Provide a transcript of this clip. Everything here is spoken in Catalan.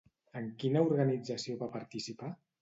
En quina organització va participar?